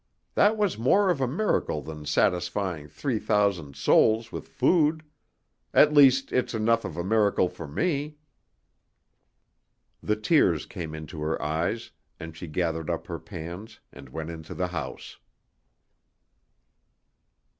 That was more of a miracle than satisfying three thousand souls with food. At least, it's enough of a miracle for me." The tears came into her eyes, and she gathered up her pans and went into the house.